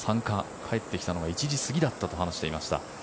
帰ってきたのが１時過ぎだったと話していました。